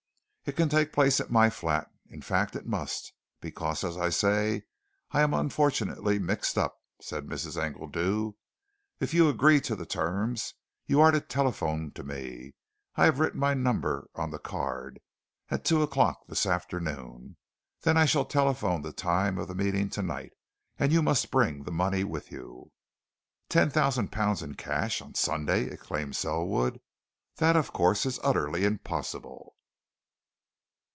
"It can take place at my flat: in fact, it must, because, as I say, I am unfortunately mixed up," said Mrs. Engledew. "If you agree to the terms, you are to telephone to me I have written my number on the card at two o'clock this afternoon. Then I shall telephone the time of meeting tonight, and you must bring the money with you." "Ten thousand pounds in cash on Sunday!" exclaimed Selwood. "That, of course, is utterly impossible."